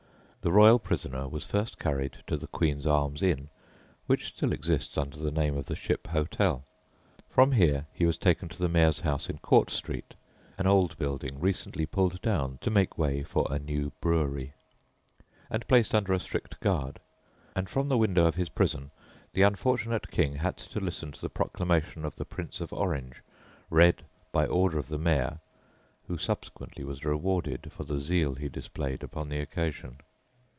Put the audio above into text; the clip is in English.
The royal prisoner was first carried to the "Queen's Arms Inn," which still exists under the name of the "Ship Hotel." From here he was taken to the mayor's house in Court Street (an old building recently pulled down to make way for a new brewery) and placed under a strict guard, and from the window of his prison the unfortunate King had to listen to the proclamation of the Prince of Orange, read by order of the mayor, who subsequently was rewarded for the zeal he displayed upon the occasion.